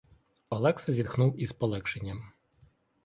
Олекса зітхнув із полегшенням.